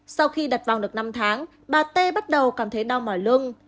sau khi đặt vòng được năm tháng bà tê bắt đầu cảm thấy đau mỏi lưng